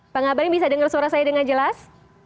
pak ngabalin bisa dengar suara saya dengan jelas